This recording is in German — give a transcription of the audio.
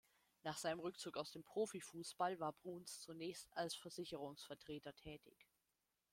Nach seinem Rückzug aus dem Profifußball war Bruns zunächst als Versicherungsvertreter tätig.